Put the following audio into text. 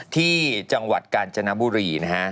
ที่จังหวัดกาญจนบุรีนะฮะ